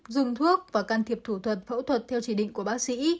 dùng thuốc và can thiệp thủ thuật phẫu thuật theo chỉ định của bác sĩ